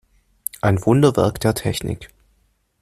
Ein Wunderwerk der Technik.